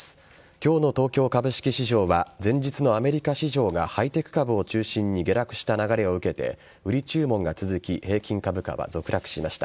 今日の東京株式市場は前日のアメリカ市場がハイテク株を中心に下落した流れを受けて売り注文が続き平均株価は続落しました。